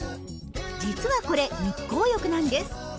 実はこれ日光浴なんです。